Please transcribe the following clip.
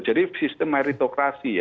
jadi sistem meritokrasi ya